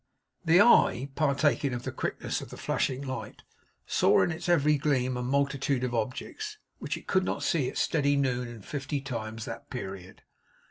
The eye, partaking of the quickness of the flashing light, saw in its every gleam a multitude of objects which it could not see at steady noon in fifty times that period.